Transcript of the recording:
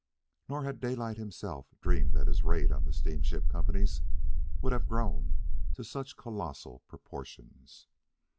Nor had Daylight himself dreamed that his raid on the steamship companies would have grown to such colossal proportions.